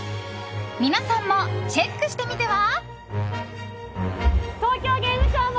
皆さんもチェックしてみては？